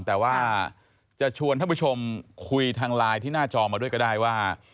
แต่ว่าจะชวนท่านผู้ชมคุยทางไลน์ที่หน้าจอมาด้วยก็ได้ว่า